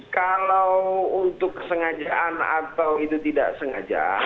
kalau untuk kesengajaan atau itu tidak sengaja